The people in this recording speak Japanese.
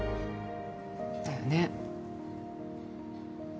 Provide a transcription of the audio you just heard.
だよね。